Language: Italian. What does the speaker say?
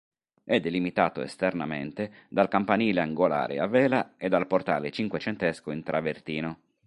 È delimitato esternamente dal campanile angolare a vela e dal portale cinquecentesco in travertino.